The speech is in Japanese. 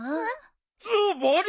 ズバリ！